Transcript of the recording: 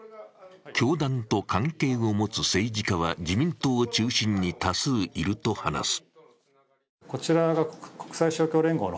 教団と関係を持つ政治家は自民党を中心に多数いると話す。